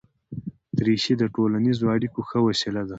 دریشي د ټولنیزو اړیکو ښه وسیله ده.